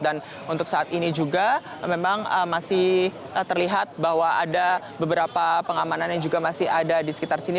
dan untuk saat ini juga memang masih terlihat bahwa ada beberapa pengamanan yang juga masih ada di sekitar sini